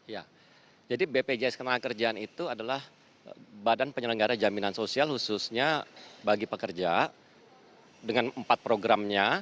ya jadi bpjs ketenagakerjaan itu adalah badan penyelenggara jaminan sosial khususnya bagi pekerja dengan empat programnya